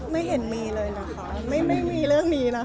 ไม่เห็นมีเลยนะคะไม่มีเรื่องนี้นะ